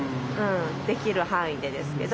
できる範囲でですけど。